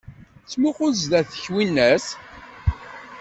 Ttmuqul zdat-k, winnat!